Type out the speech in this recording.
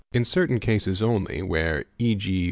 In certain cases only, where, e.g.